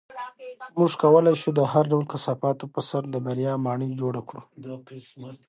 موږ کولی شو د هر ډول کثافاتو په سر د بریا ماڼۍ جوړه کړو.